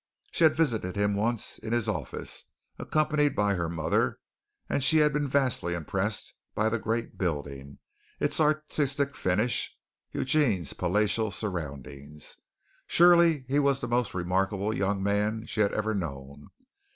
She had visited him once in his office, accompanied by her mother, and she had been vastly impressed by the great building, its artistic finish, Eugene's palatial surroundings. Surely he was the most remarkable young man she had ever known.